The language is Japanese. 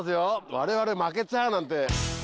「我々負けちゃう」なんて。